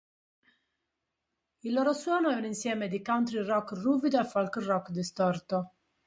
Il loro suono è un insieme di country rock ruvido e folk rock distorto.